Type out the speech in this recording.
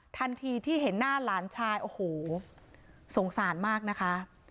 ทันทีที่เห็นหน้าหลานชายโอ้โหสงสารมากนะคะ